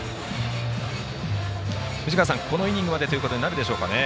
藤川さん、このイニングまでというとこになるでしょうか。